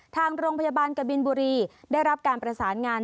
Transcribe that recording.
ทางโรงพยาบาลกบินบุรีได้รับการประสานงาน